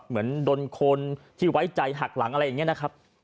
เหมือนโดนคนที่ไว้ใจหักหลังอะไรอย่างนี้นะครับ